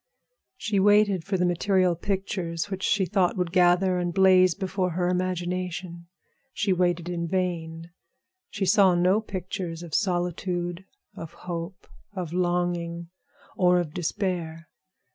She waited for the material pictures which she thought would gather and blaze before her imagination. She waited in vain. She saw no pictures of solitude, of hope, of longing, or of despair.